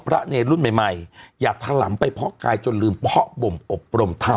เนรรุ่นใหม่อย่าถลำไปเพาะกายจนลืมเพาะบ่มอบรมธรรม